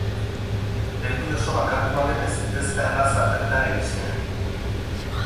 Mendi oso bakartua denez ez da erraza bertara iristea.